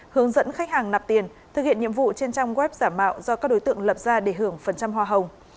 hướng dẫn khách hàng nạp tiền thực hiện nhiệm vụ trên trang web giả mạo do các đối tượng lập ra để hưởng phần trăm hoa hồng